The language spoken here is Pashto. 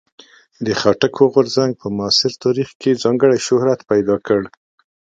د خټکو غورځنګ په معاصر تاریخ کې ځانګړی شهرت پیدا کړ.